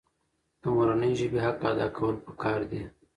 د مورنۍ ژبې حق ادا کول پکار دي.